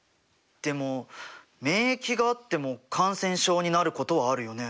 でも免疫があっても感染症になることはあるよね？